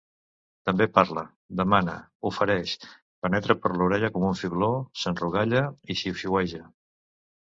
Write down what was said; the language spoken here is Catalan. També parla, demana, ofereix, penetra per l'orella com un fibló, s'enrogalla i xiuxiueja.